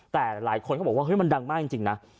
แต่หลายคนเขาบอกว่าเฮ้ยมันดังมากจริงนะ